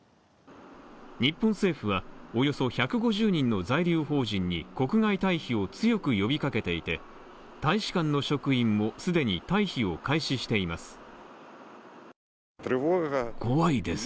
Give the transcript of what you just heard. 日本政府はおよそ１５０人の在留邦人に国外退避を強く呼びかけていて、大使館の職員も既に退避を開始しています。